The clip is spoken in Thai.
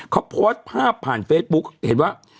เขาโพสต์ภาพผ่านเฟซบุ๊กเห็นว่า